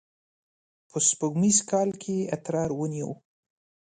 په سپوږمیز کال کې یې اترار ونیو.